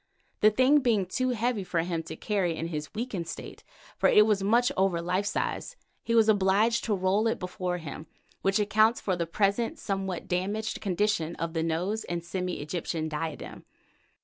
The thing being too heavy for him to carry in his weakened state, for it is much over life size, he was obliged to roll it before him, which accounts for the present somewhat damaged condition of the nose and semi Egyptian diadem.